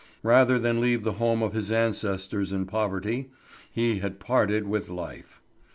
Rather than leave the home of his ancestors in poverty he had parted with life.